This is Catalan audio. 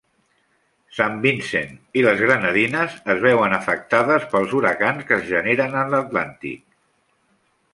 San Vincent i les Grenadines es veuen afectades pels huracans que es generen en l'Atlàntic.